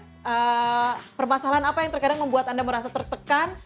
nah permasalahan apa yang terkadang membuat anda merasa tertekan